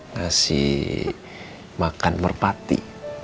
nasi makan merpati